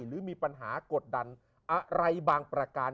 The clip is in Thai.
หรือมีปัญหากดดันอะไรบางประการ